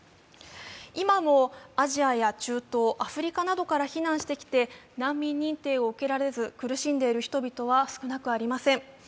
今もアジアや中東、アフリカなどから避難してきて難民認定を受けられず苦しんでいる人々は少なくありません。